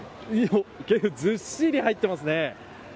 ずっしり入っていますね。